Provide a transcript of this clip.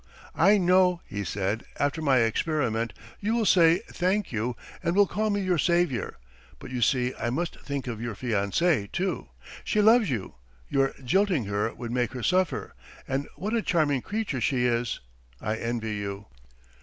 "'I know,' he said, 'after my experiment you will say, thank you, and will call me your saviour; but you see I must think of your fiancée too. She loves you; your jilting her would make her suffer. And what a charming creature she is! I envy you.'